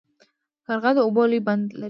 قرغه د اوبو لوی بند لري.